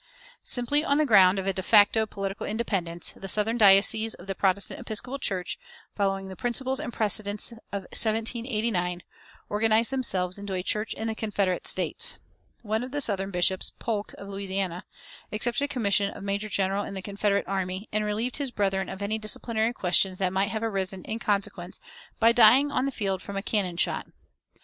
Simply on the ground of a de facto political independence, the southern dioceses of the Protestant Episcopal Church, following the principles and precedents of 1789, organized themselves into a "Church in the Confederate States." One of the southern bishops, Polk, of Louisiana, accepted a commission of major general in the Confederate army, and relieved his brethren of any disciplinary questions that might have arisen in consequence by dying on the field from a cannon shot.